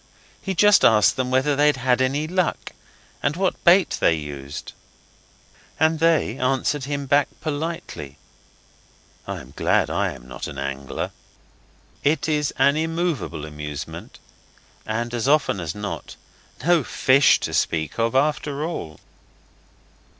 He just asked whether they'd had any luck, and what bait they used. And they answered him back politely. I am glad I am not an angler. It is an immovable amusement, and, as often as not, no fish to speak of after all.